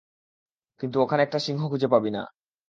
কিন্তু ওখানে একটা সিংহ খুঁজে পাবি না?